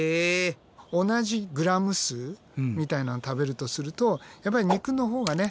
同じグラム数みたいなのを食べるとするとやっぱり肉のほうがね